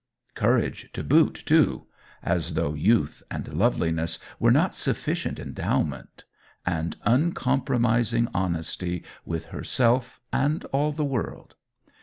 Courage to boot, too as though youth and loveliness were not sufficient endowment and uncompromising honesty with herself and all the world.